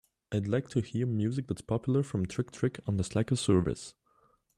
I'd like to hear music that's popular from Trick-trick on the Slacker service